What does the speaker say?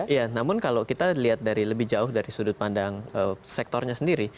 iya namun kalau kita lihat dari lebih jauh dari sudut pandang sektornya sendiri